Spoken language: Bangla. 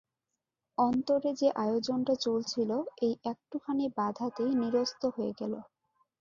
অন্তরে যে আয়োজনটা চলছিল, এই একটুখানি বাধাতেই নিরস্ত হয়ে গেল।